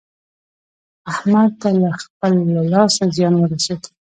احمد ته له خپله لاسه زيان ورسېد.